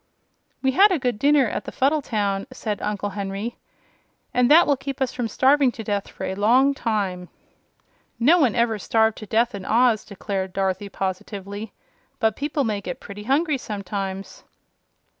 "We had a good dinner at the Fuddle town," said Uncle Henry, "and that will keep us from starving to death for a long time." "No one ever starved to death in Oz," declared Dorothy, positively; "but people may get pretty hungry sometimes."